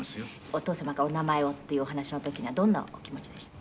「お父様からお名前をっていうお話の時にはどんなお気持ちでした？」